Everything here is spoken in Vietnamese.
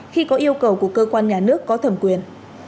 khi có yêu cầu của cơ quan nhà nước có thẩm quyền